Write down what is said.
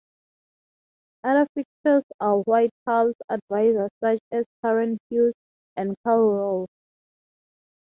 Other fixtures are White House advisers such as Karen Hughes and Karl Rove.